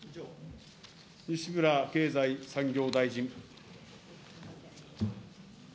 西村経済産業大臣。